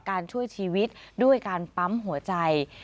ช่วยชีวิตด้วยการปั๊มหัวใจ